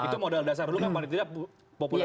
itu modal dasarnya